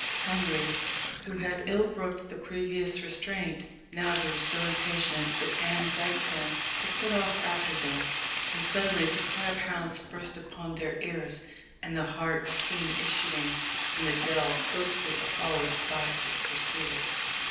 Henry, who had ill brooked the previous restraint, now grew so impatient, that Anne begged him to set off after them, when suddenly the cry of hounds burst upon their ears, and the hart was seen issuing from the dell, closely followed by his pursuers.